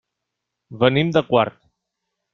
Venim de Quart.